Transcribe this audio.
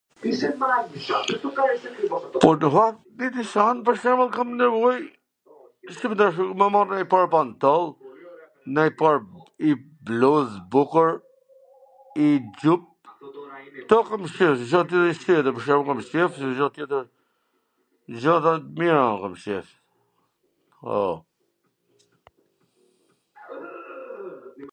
pwr shembull kam nevoj si me ta thwn.... me marr nonj pal pantoll, nonj par, nji bluz t bukur, nji xhup, kto kam qef, gja tjetwr C tjetwr, pwr shembull se Cdo gjw tjetwr, gjana t mira un kam qef, po.